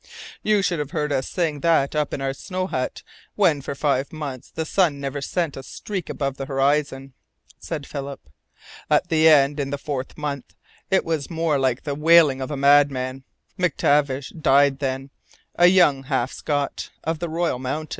"You should have heard us sing that up in our snow hut, when for five months the sun never sent a streak above the horizon," said Philip. "At the end in the fourth month it was more like the wailing of madmen. MacTavish died then: a young half Scot, of the Royal Mounted.